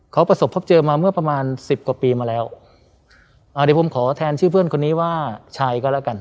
เขาประสบพบเจอมาเมื่อประมาณสิบกว่าปีมาแล้วอ่าเดี๋ยวผมขอแทนชื่อเพื่อนคนนี้ว่าชัยก็แล้วกัน